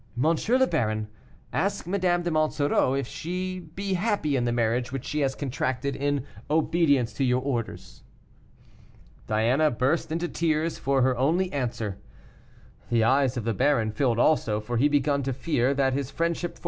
le Baron, ask Madame de Monsoreau if she be happy in the marriage which she has contracted in obedience to your orders." Diana burst into tears for her only answer. The eyes of the baron filled also, for he began to fear that his friendship for M.